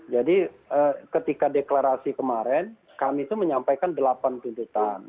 jadi ketika deklarasi kemarin kami menyampaikan delapan tuntutan